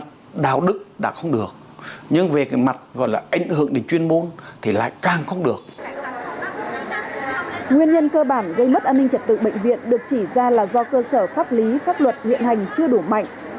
nguyên nhân cơ bản gây mất an ninh trật tự bệnh viện được chỉ ra là do cơ sở pháp lý pháp luật hiện hành chưa đủ mạnh